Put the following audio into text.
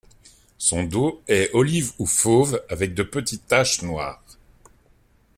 Son dos est olive ou fauve avec de petites taches noires.